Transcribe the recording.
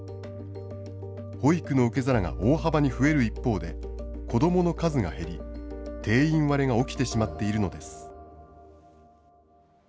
保育の受け皿が大幅に増える一方で、子どもの数が減り、定員割れが起きてしまっているのです。